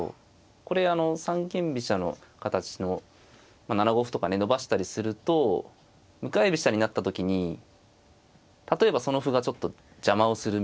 これあの三間飛車の形の７五歩とかね伸ばしたりすると向かい飛車になった時に例えばその歩がちょっと邪魔をするみたいな。